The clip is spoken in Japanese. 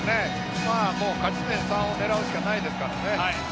勝ち点３を狙うしかないですからね。